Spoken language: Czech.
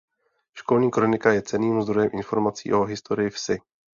Školní kronika je cenným zdrojem informací o historii vsi.